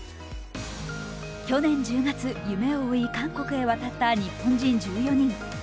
去年１０月、夢を追い韓国へ渡った日本人１４人。